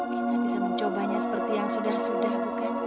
kita bisa mencobanya seperti yang sudah sudah bukan